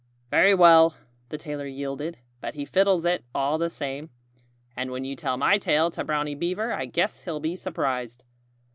"Very well!" the tailor yielded. "But he fiddles it, all the same. And when you tell my tale to Brownie Beaver I guess he'll be surprised."